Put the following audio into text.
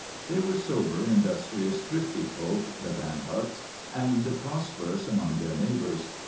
They were sober, industrious, thrifty folk, the Van Huyks, and prosperous among their neighbours.